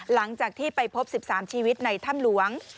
หลังจากที่ไปพบ๑๓ชีวิตในถ้ำหลวง